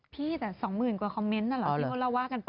พี่แต่๒หมื่นกว่าคอมเม้นต์น่ะเหรอ